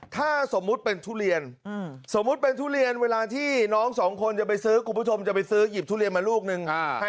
ถ้าสมมุติเป็นทุเรียนเวลาที่น้องสองคนคุณผู้ชมจะไปซื้อหยิบทุเรียนมาลูกหนึ่ง